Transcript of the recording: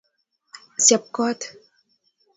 syeb koot